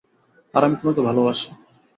আর আমি তোমাকে ভালোবাসি।